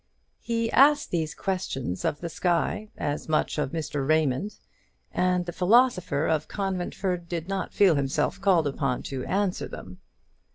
He asked these questions of the sky as much as of Mr. Raymond; and the philosopher of Conventford did not feel himself called upon to answer them.